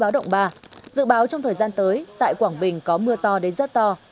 dự báo trong thời gian tới tại quảng bình có mưa to đến rất to